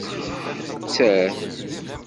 Tter.